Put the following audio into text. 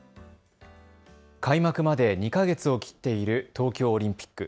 開幕まで２か月を切っている東京オリンピック。